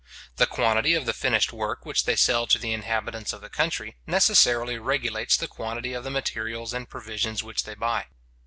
The quantity of the finished work which they sell to the inhabitants of the country, necessarily regulates the quantity of the materials and provisions which they buy.